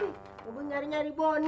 ngubah nyari nyari bonny